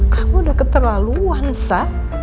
kamu udah keterlaluan sa